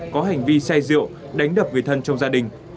có hành vi say rượu đánh đập người thân trong gia đình